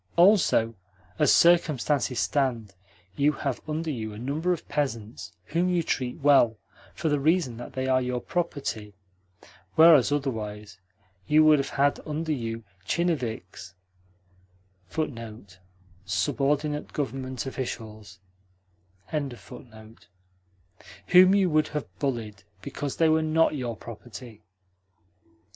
Also, as circumstances stand, you have under you a number of peasants, whom you treat well for the reason that they are your property; whereas, otherwise, you would have had under you tchinovniks : whom you would have bullied because they were NOT your property.